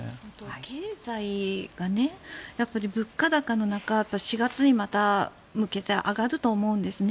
経済がやっぱり物価高の中４月に向けて上がると思うんですね。